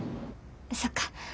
そっか。